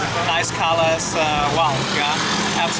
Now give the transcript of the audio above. apakah ini terpaksa di indonesia